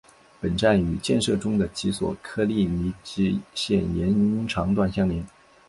本站与建设中的及索科利尼基线延长段相连。